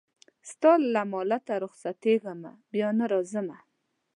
ستا له مالته رخصتېږمه بیا نه راځمه